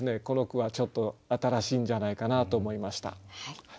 この句はちょっと新しいんじゃないかなと思いました。